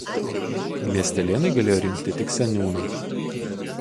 Miestelėnai galėjo rinkti tik seniūną.